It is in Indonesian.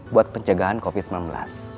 buat pencegahan covid sembilan belas